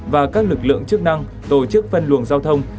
và các lực lượng chức năng tổ chức phân luồng giao thông